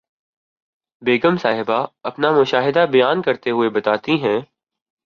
بیگم صاحبہ اپنا مشاہدہ بیان کرتے ہوئے بتاتی ہیں